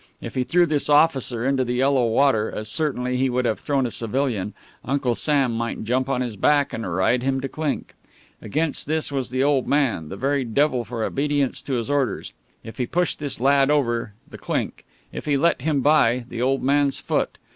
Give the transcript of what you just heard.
If he threw this officer into the yellow water as certainly he would have thrown a civilian Uncle Sam might jump on his back and ride him to clink. Against this was the old man, the very devil for obedience to his orders. If he pushed this lad over, the clink; if he let him by, the old man's foot.